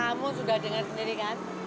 kamu sudah dengar sendiri kan